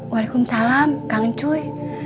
waalaikumsalam kangen cuy